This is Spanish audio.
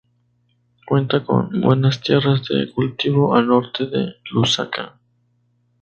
Cuenta con buenas tierras de cultivo al norte de Lusaka.